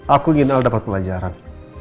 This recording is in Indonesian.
aku ingin allah dapat pelajaran